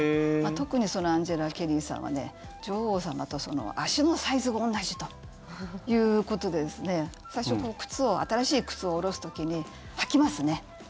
特にアンジェラ・ケリーさんは女王様と足のサイズが同じということで最初、新しい靴を下ろす時に履きますね。